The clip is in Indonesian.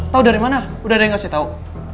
tau dari mana udah deh kasih tau